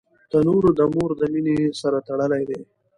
تنور د مور د مینې سره تړلی دی